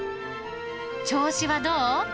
調子はどう？